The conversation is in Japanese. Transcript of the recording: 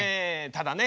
ただね